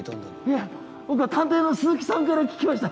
いえ僕は探偵の鈴木さんから聞きました。